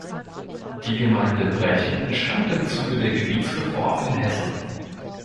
Die Gemeinde Brechen entstand im Zuge der Gebietsreform in Hessen.